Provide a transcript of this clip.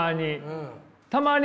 たまに。